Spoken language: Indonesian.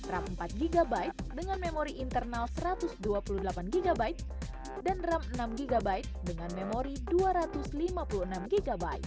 ram empat gb dengan memori internal satu ratus dua puluh delapan gb dan ram enam gb dengan memori dua ratus lima puluh enam gb